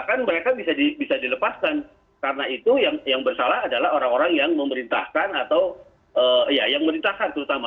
kan mereka bisa dilepaskan karena itu yang bersalah adalah orang orang yang memerintahkan atau ya yang memerintahkan terutama